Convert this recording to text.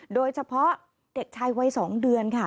โดยเฉพาะเด็กชายวัย๒เดือนค่ะ